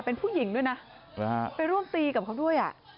เป็นผู้หญิงด้วยนะไปร่วมตีกับเขาด้วยอ่ะ